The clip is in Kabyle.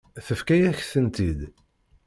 Tefka-yak-tent-id.